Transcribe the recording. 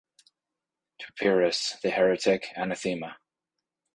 To Pyrrhus, the heretic, anathema!